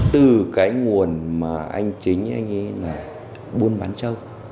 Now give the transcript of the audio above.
từ cái nguồn mà anh chính anh ấy là buôn bán châu